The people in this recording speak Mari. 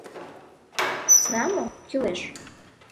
Знамо, кӱлеш.